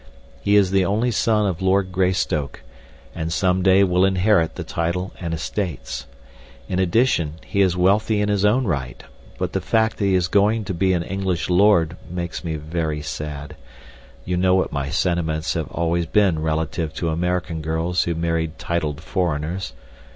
He is the only son of Lord Greystoke, and some day will inherit the title and estates. In addition, he is wealthy in his own right, but the fact that he is going to be an English Lord makes me very sad—you know what my sentiments have always been relative to American girls who married titled foreigners.